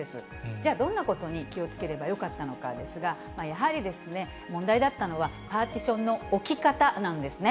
じゃあ、どんなことに気をつければよかったのかですが、やはり問題だったのは、パーティションの置き方なんですね。